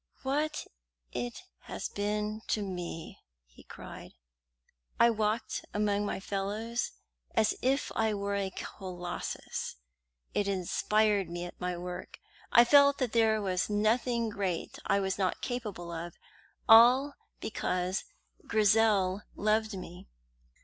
"What it has been to me!" he cried. "I walked among my fellows as if I were a colossus. It inspired me at my work. I felt that there was nothing great I was not capable of, and all because Grizel loved me."